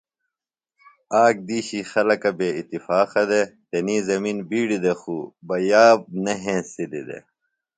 آک دِیشیۡ خلکہ بےاتفاقہ دےۡ۔ تنی زمِن بِیڈیۡ دے خو بہ یاب نہ ہنسِلیۡ دےۡ۔